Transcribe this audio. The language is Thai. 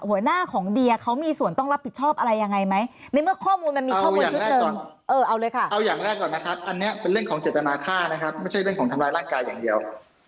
อันนี้เป็นเรื่องของเจรตนาค่านะครับไม่ใช่เรื่องของทำร้ายร่างกายอย่างเดียว